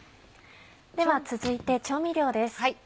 では続いて調味料です。